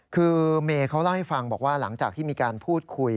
คือเมย์เขาเล่าให้ฟังบอกว่าหลังจากที่มีการพูดคุย